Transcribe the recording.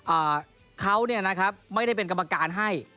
อ่าเขาเนี่ยนะครับไม่ได้เป็นกรรมการให้